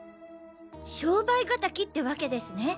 商売敵ってわけですね。